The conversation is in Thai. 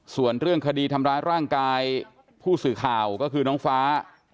ส่วนเรื่องคดีทำร้ายร่างกายผู้สื่อข่าวก็คือน้องฟ้า